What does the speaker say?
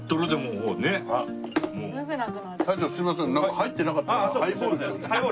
入ってなかった。